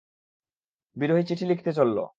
বিরহী চিঠি লিখতে চলল।